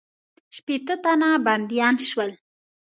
شپېته تنه بندیان شول.